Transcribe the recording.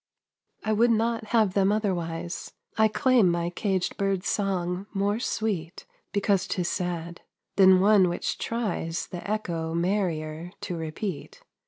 I would not have them otherwise; I claim my caged bird's song more sweet Because 'tis sad, than one which tries The echo merrier to repeat.